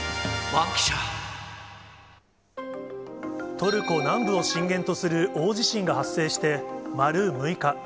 トルコ南部を震源とする大地震が発生して丸６日。